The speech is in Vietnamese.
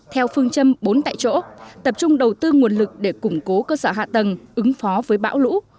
theo phương châm bốn tại chỗ tập trung đầu tư nguồn lực để củng cố cơ sở hạ tầng ứng phó với bão lũ